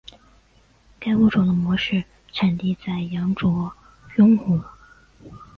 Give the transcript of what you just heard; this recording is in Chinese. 该物种的模式产地在羊卓雍湖。